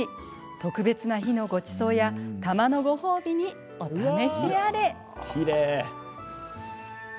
特別な日の、ごちそうやたまのご褒美にお試しあれ。